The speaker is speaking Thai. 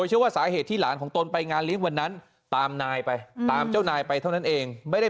อย่างใหญ่งานที่ทำหรือว่าอยากจะย้ายไปใช่มั้ย